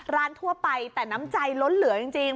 ทั่วไปแต่น้ำใจล้นเหลือจริง